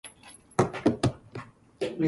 Dancing girls entertain the guests.